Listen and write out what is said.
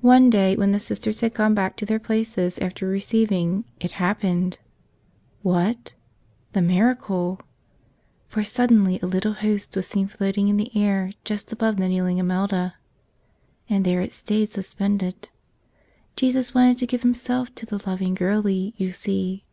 One day, when the Sisters had gone back to their places after receiving, it happened. What? The mira¬ cle! For suddenly a little Host was seen floating in the air just above the kneeling Imelda. And there it stayed suspended: Jesus wanted to give Himself to the loving girlie, you see.